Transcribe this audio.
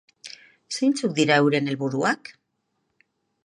Zeintzuk dira euren helburuak?